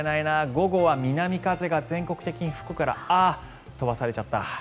午後は南風が全国的に吹くからああ、飛ばされちゃった。